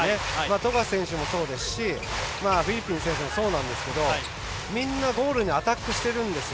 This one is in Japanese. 富樫選手もそうですしフリッピン選手もそうですけどみんな、ゴールにアタックしてるんですよ。